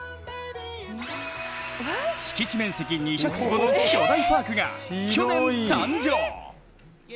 敷地面積２００坪の巨大パークが去年誕生。